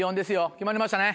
決まりましたね？